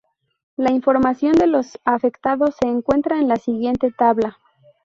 La información de los afectados se encuentra en la siguiente tabla.